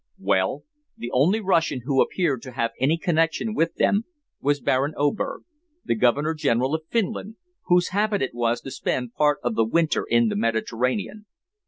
"Well, the only Russian who appeared to have any connection with them was Baron Oberg, the Governor General of Finland, whose habit it was to spend part of the winter in the Mediterranean.